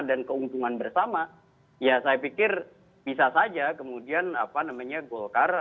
dan keuntungan bersama ya saya pikir bisa saja kemudian apa namanya golkar